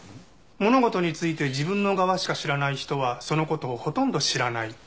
物事について自分の側しか知らない人はその事をほとんど知らない。